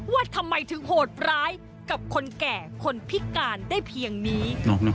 ว่าทำไมถึงโหดร้ายกับคนแก่คนพิการได้เพียงนี้